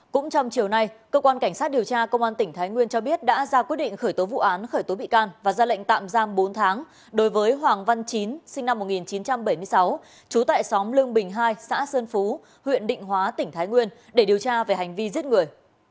cũng trong chiều nay cơ quan cảnh sát điều tra công an tỉnh thái nguyên cho biết đã ra quyết định khởi tố vụ án khởi tố bị can và ra lệnh tạm giam bốn tháng đối với hoàng văn chín sinh năm một nghìn chín trăm bảy mươi sáu trú tại xóm lương bình hai xã sơn phú huyện định hóa tỉnh thái nguyên để điều tra về hành vi giết người